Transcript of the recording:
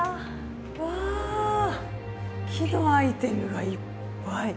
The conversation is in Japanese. うわ木のアイテムがいっぱい。